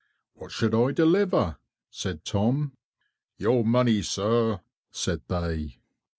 "What should I deliver?" said Tom. "Your money, sirrah," said they.